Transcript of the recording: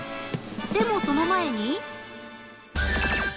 でもその前に